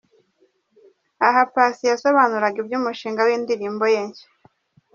Aha Paccy yasobanuraga iby'umushinga w'iyi ndirimbo ye nshya.